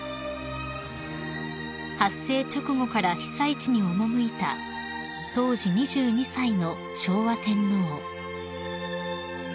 ［発生直後から被災地に赴いた当時２２歳の昭和天皇］